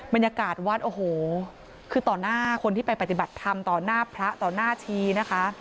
บรรยากาศวัดโอ้โหคือต่อหน้าคนที่ไปปฏิบัติธรรมต่อหน้าพระต่อหน้าชีนะคะ